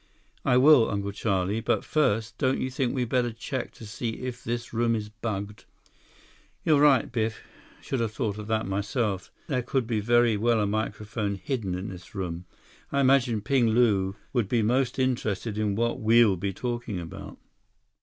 "I will, Uncle Charlie. But first, don't you think we'd better check to see if this room is bugged?" "You're right, Biff. Should have thought of that myself. There could very well be a microphone hidden in this room. I imagine Ping Lu would be most interested in what we'll be talking about."